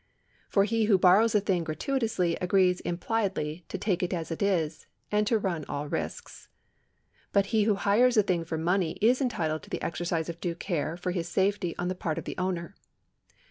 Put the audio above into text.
For he who borrows a thing gratuitously agrees impliedly to take it as it is, and to run all risks. But he who hires a thing for money is entitled to the exercise of due care for his safety on the part of the owner.